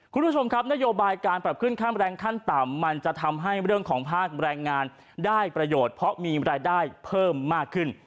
คุณผู้ชมครับนโยบายการปรับขึ้นค่าแรงขั้นต่ำมันจะทำให้เรื่องของภาคแรงงานได้ประโยชน์เพราะมีรายได้เพิ่มมากขึ้น